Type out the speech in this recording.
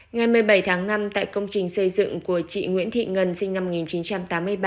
ngày một mươi bảy tháng năm tại công trình xây dựng của chị nguyễn thị ngân sinh năm một nghìn chín trăm tám mươi ba